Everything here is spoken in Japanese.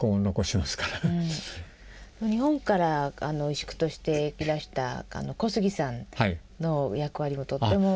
日本から石工としていらした小杉さんの役割もとっても。